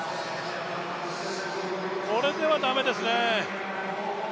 これでは駄目ですね。